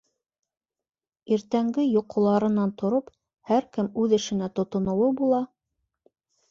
Иртәнге йоҡоларынан тороп һәр кем үҙ эшенә тотоноуы була: